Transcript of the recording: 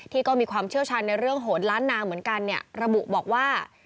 ที่ก็มีความเชี่ยวชาญในเรื่องโหดล้านนางเหมือนกันเนี่ยระบุบอกว่า